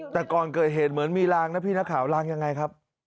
แต่ก่อนเกิดเหตุเหมือนมีลางนะพี่นักข่าวลางยังไงครับ